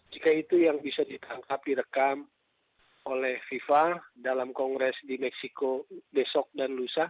jika itu yang bisa ditangkap direkam oleh fifa dalam kongres di meksiko besok dan lusa